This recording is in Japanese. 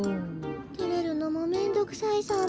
てれるのもめんどくさいサボ。